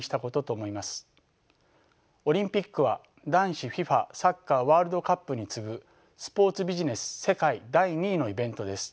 オリンピックは男子ＦＩＦＡサッカーワールドカップに次ぐスポーツビジネス世界第２位のイベントです。